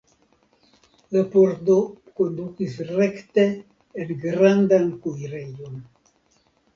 La pordo kondukis rekte en grandan kuirejon.